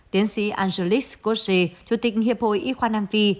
tiến sĩ angelique scorsese chủ tịch hiệp hội y khoa nam phi